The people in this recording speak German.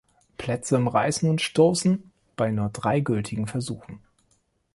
Plätze im Reißen und Stoßen bei nur drei gültigen Versuchen.